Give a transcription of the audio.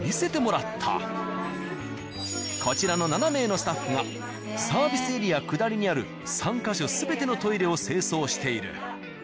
こちらの７名のスタッフがサービスエリア下りにある３ヵ所全てのトイレを清掃している。